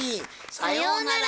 さようなら！